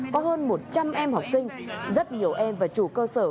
có hơn một trăm linh em học sinh rất nhiều em và chủ cơ sở